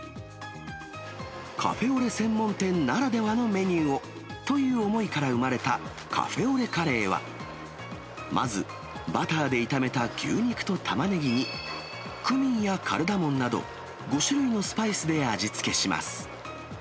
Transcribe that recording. カフェオレ専門店ならではのメニューをという思いから生まれた、カフェオレカレーは、まず、バターで炒めた牛肉とタマネギに、クミンやカルダモンなど、５種類のスパイスで味付けします。